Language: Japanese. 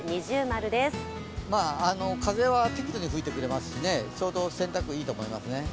風は適度に吹いてくれますからちょうど洗濯にいいと思いますね。